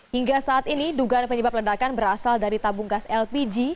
hingga saat ini dugaan penyebab ledakan berasal dari tabung gas lpg